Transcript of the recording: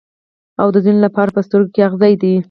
او د ځینو لپاره په سترګو کې اغزی دی.